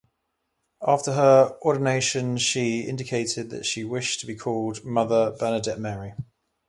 After her ordination, she indicated that she wished to be called Mother Bernadette Mary.